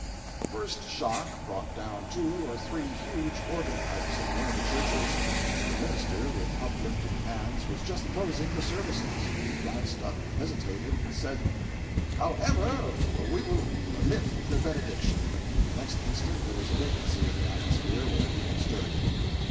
The first shock brought down two or three huge organ pipes in one of the churches. The minister, with uplifted hands, was just closing the services. He glanced up, hesitated, and said: "However, we will omit the benediction!"—and the next instant there was a vacancy in the atmosphere where he had stood.